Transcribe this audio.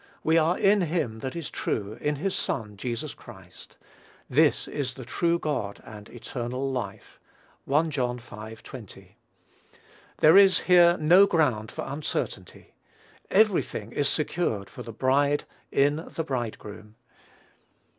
"We are in him that, is true, in his Son Jesus Christ. This is the true God and eternal life." (1 John v. 20.) There is here no ground for uncertainty. Every thing is secured for the bride in the bridegroom.